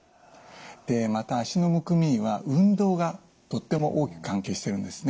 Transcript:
また脚のむくみには運動がとっても大きく関係してるんですね。